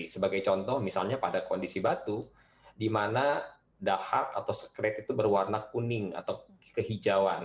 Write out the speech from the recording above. sebagai contoh misalnya pada kondisi batu di mana dahar atau sekret itu berwarna kuning atau kehijauan